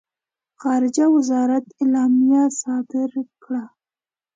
خارجه وزارت اعلامیه صادره کړه.